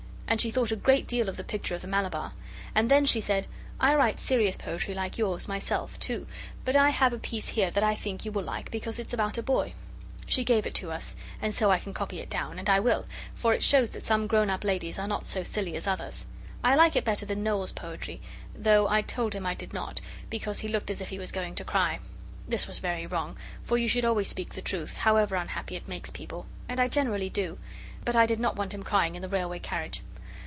And she thought a great deal of the picture of the Malabar. And then she said, 'I write serious poetry like yours myself; too, but I have a piece here that I think you will like because it's about a boy.' She gave it to us and so I can copy it down, and I will, for it shows that some grown up ladies are not so silly as others. I like it better than Noel's poetry, though I told him I did not, because he looked as if he was going to cry. This was very wrong, for you should always speak the truth, however unhappy it makes people. And I generally do. But I did not want him crying in the railway carriage.